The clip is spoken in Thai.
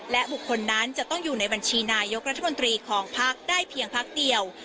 และบุคคลนั้นจะต้องอยู่ในบัญชีนายกรัฐมนตรีของพักได้เพียงพักเดียว